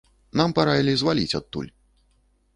Нам параілі зваліць адтуль.